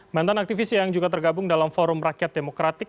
mantan aktivis yang juga tergabung dalam forum rakyat demokratik